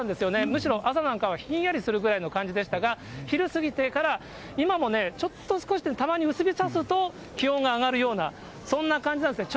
むしろ朝なんかは、ひんやりするぐらいの感じでしたが、昼過ぎてから、今もね、ちょっと少し、たまに薄日さすと、気温が上がるような、そんな感じなんですね。